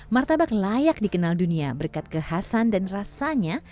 martabak layak dikenal dunia berkat kekhasan dan rasanya